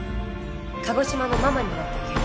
鹿児島のママになってあげる。